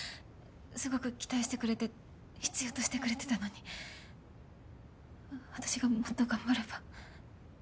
すごく期待してくれて必要としてくれてたのにわ私がもっと頑張れば。